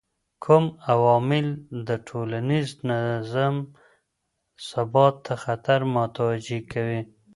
کوم عوامل د ټولنیز نظم ثبات ته خطر متوجه کوي؟